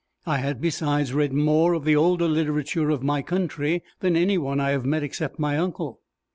I had besides read more of the older literature of my country than any one I have met except my uncle.